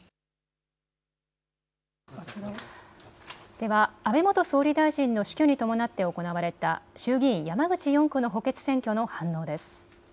では安倍元総理大臣の死去に伴って行われた衆議院山口４区の補欠選挙の反応です。